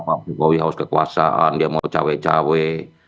pak jokowi harus kekuasaan dia mau cawe cawe